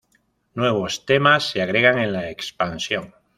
Nuevos temas se agregan en la expansión.